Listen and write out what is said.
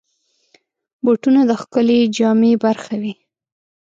بوټونه د ښکلې جامې برخه وي.